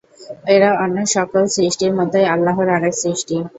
এরা অন্য সকল সৃষ্টির মতই আল্লাহর আরেক সৃষ্টি।